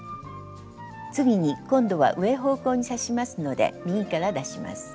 次に今度は上方向に刺しますので右から出します。